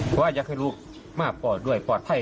เพราะอยากให้ลูกมาปอด้วยปอดไห้